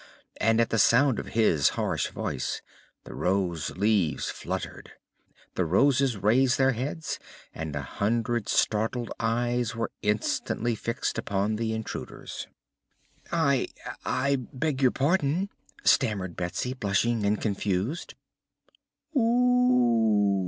and at the sound of his harsh voice the rose leaves fluttered, the Roses raised their heads and a hundred startled eyes were instantly fixed upon the intruders. "I I beg your pardon!" stammered Betsy, blushing and confused.